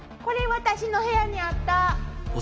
これ私の部屋にあった！